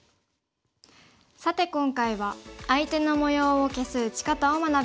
さて今回は相手の模様を消す打ち方を学びました。